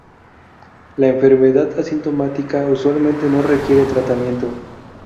La enfermedad asintomática usualmente no requiere tratamiento.